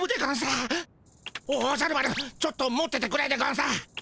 おじゃる丸ちょっと持っててくれでゴンス。